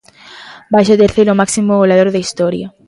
Vaise o terceiro máximo goleador da historia.